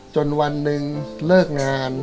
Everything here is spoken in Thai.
จนวันหนึ่งเลิกงาน